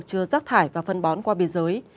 chưa rác thải và phân bón qua biên giới